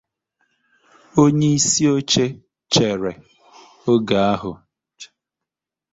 onyeisioche nchere oge ahụ